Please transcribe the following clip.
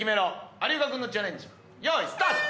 有岡君のチャレンジよーいスタート！